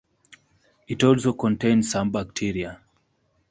It also contains some bacteria.